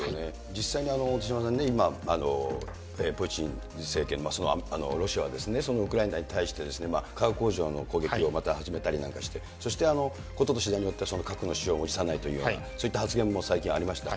実際に手嶋さんね、今、プーチン政権、ロシアは、ウクライナに対して、化学工場の攻撃をまた始めたりなんかして、そして事としだいによっては核の使用も辞さないというような、そういった発言も最近ありました。